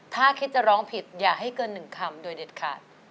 ถ้าคิดจะร้องผิดอย่าให้เกิน๑คำโดยเด็ดขาด